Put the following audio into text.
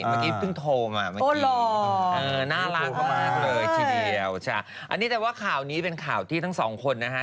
เมื่อกี้เพิ่งโทรมาเมื่อกี้น่ารักมากเลยทีเดียวจ้ะอันนี้แต่ว่าข่าวนี้เป็นข่าวที่ทั้งสองคนนะฮะ